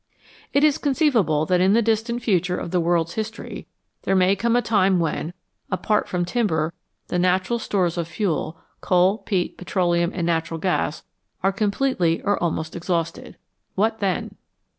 It is conceivable that in the distant future of the world's history there may come a time when, apart from timber, the natural stores of fuel coal, peat, petroleum, and natural gas are completely or almost exhausted. What then